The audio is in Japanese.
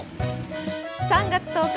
３月１０日